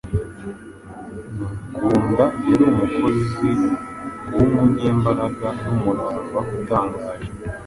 Ngunda yari umukozi w'umunyembaraga n'umurava utangaje